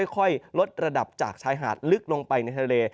ค่อยลดระดับจากชายหาดลึกลงไปในทะเล